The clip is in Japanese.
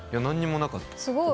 何にもなかった。